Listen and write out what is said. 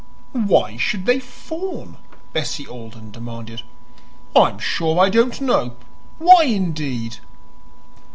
"Why should they fawn?" Bessie Alden demanded. "I'm sure I don't know. Why, indeed?"